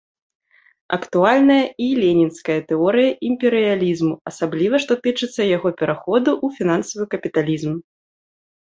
Актуальная і ленінская тэорыя імперыялізму, асабліва, што тычыцца яго пераходу ў фінансавы капіталізм.